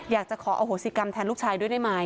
อยากจะขออโหสิกรรมแทนลูกชายด้วยได้ไหม